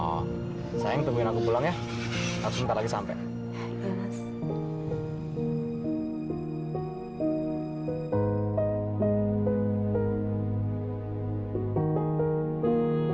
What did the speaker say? oh sayang tungguin aku pulang ya harus nanti lagi sampai